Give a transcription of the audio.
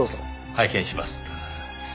拝見します。